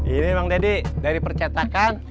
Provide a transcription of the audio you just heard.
ini bang deddy dari percetakan